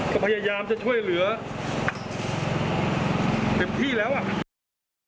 ก็พยายามจะช่วยเหลือเพียบคลับที่แล้ว